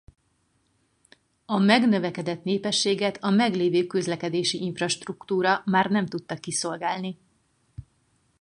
A megnövekedett népességet a meglévő közlekedési infrastruktúra már nem tudta kiszolgálni.